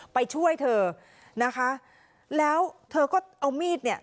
ไปช่วยเธอนะคะแล้วเธอก็เอามีดเนี่ย